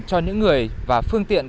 cho những người và phương tiện